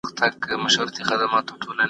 اسلامي اصول باید کمزوري نه سي.